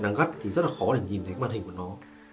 đang gắt thì rất là khó để nhìn thấy màn hình của nó